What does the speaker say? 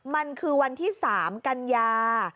มันคือวันที่๓กันยา